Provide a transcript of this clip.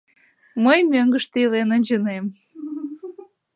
Мый мӧҥгыштӧ илен ончынем.